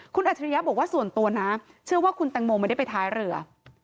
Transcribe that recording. คุณอัจฉริยะบอกว่าส่วนตัวนะเชื่อว่าคุณแตงโมไม่ได้ไปท้ายเรือ